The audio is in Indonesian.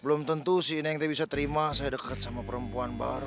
belum tentu si neng tuh bisa terima saya deket sama perempuan baru